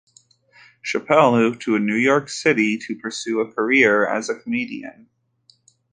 Chappelle moved to New York City to pursue a career as a comedian.